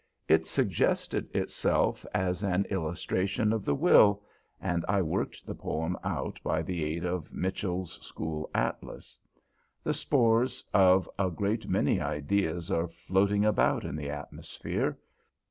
It suggested itself as an illustration of the will, and I worked the poem out by the aid of Mitchell's School Atlas. The spores of a great many ideas are floating about in the atmosphere.